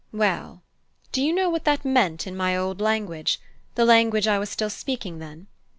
Well, do you know what that meant in my old language the language I was still speaking then?